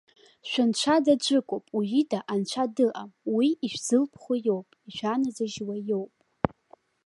Шәынцәа даӡәыкуп, уи ида Анцәа дыҟам; уи ишәзылԥхо иоуп, ишәаназыжьуа иоуп.